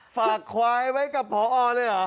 ฝากควายไว้กับพอเลยเหรอ